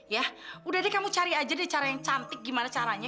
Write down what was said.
ya udah deh kamu cari aja deh cara yang cantik gimana caranya